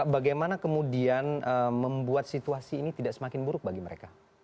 bagaimana kemudian membuat situasi ini tidak semakin buruk bagi mereka